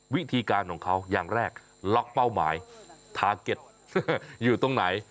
วิธีการของเขาอย่างแรกล็อกเป้าหมายทาเก็ตอยู่ตรงไหน